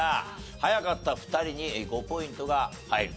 早かった２人に５ポイントが入ると。